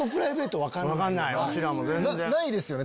ないですよね？